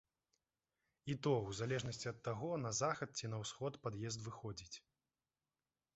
І то, у залежнасці ад таго, на захад ці на ўсход пад'езд выходзіць.